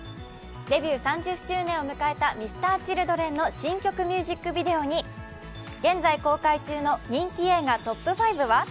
デビュー３０周年を迎えたＭｒ．Ｃｈｉｌｄｒｅｎの新曲ミュージックビデオに、現在公開中の人気映画トップ５は？